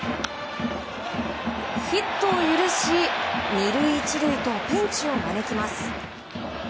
ヒットを許し２塁１塁とピンチを招きます。